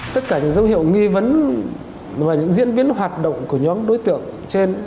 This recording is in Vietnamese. tất cả những dấu hiệu nghi vấn và những diễn biến hoạt động của nhóm đối tượng trên